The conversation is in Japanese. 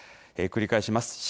繰り返します。